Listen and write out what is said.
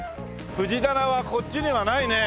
藤棚はこっちにはないね。